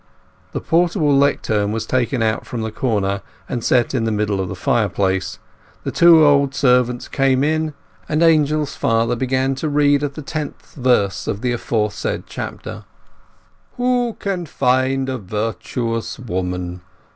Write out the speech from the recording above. The portable lectern was taken out from the corner and set in the middle of the fireplace, the two old servants came in, and Angel's father began to read at the tenth verse of the aforesaid chapter— "Who can find a virtuous woman?